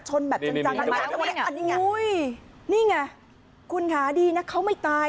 แบบจังเลยนะอันนี้ไงนี่ไงคุณค่ะดีนะเขาไม่ตาย